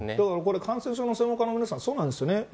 だから、これ感染症の専門家の皆さんそうなんですよね。